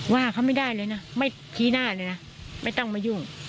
ว่าเขาไม่ได้เลยนะไม่ชี้หน้าเลยนะไม่ต้องมายุ่ง